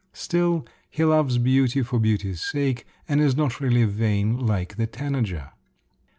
Still, he loves beauty for beauty's sake, and is not really vain like the tanager.